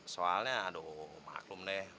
soalnya aduh maklum deh